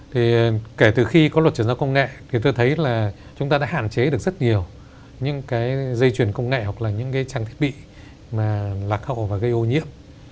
thì kể từ khi có luật chuyển giao công nghệ thì tôi thấy là chúng ta đã hạn chế được rất nhiều những cái dây chuyển công nghệ hoặc là những cái trang thiết bị mà lạc hậu và gây ô nhiễm